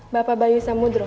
bapak bayu samudro